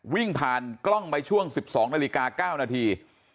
วิ่งผ่านกล้องไปช่วง๑๒นาฬิกา๙นาที